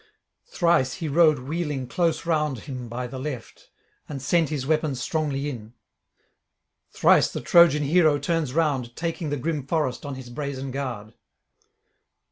Thrice he rode wheeling close round him by the [886 908]left, and sent his weapons strongly in; thrice the Trojan hero turns round, taking the grim forest on his brazen guard.